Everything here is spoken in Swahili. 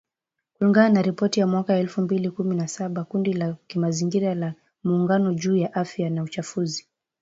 kulingana na ripoti ya mwaka elfu mbili kumi na saba ya kundi la kimazingira la Muungano juu ya Afya na Uchafuzi